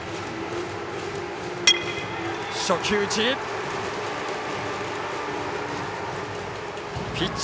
初球打ち！